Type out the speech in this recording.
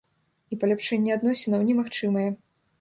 І паляпшэнне адносінаў немагчымае.